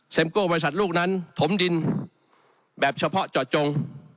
โก้บริษัทลูกนั้นถมดินแบบเฉพาะเจาะจง